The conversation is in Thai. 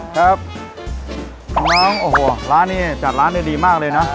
ครับน้องโอ้โหร้านนี้จัดร้านได้ดีมากเลยนะ